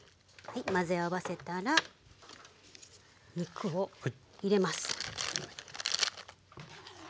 混ぜ合わせたら肉を入れます。